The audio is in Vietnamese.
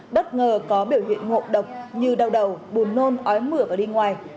bất ngờ có biểu hiện ngộ độc như đau đầu buồn nôn ói mửa và đi ngoài